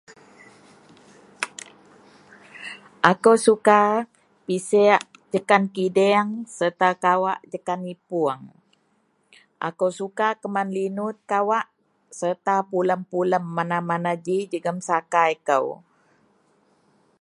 akou suka peseak ikan kedieng serta kawak jekan ipoung, akou suka keman linut kawak, serta pulem-pulem mana-mana ji jegum sakai kou